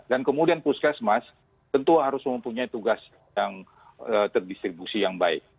kemudian puskesmas tentu harus mempunyai tugas yang terdistribusi yang baik